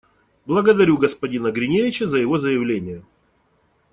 Благодарю господина Гриневича за его заявление.